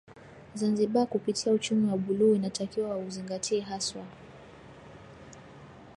Zanzibar kupitia uchumi wa buluu inatakiwa wauzingatie haswa